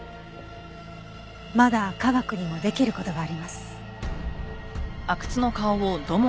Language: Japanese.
まだ科学にもできる事があります。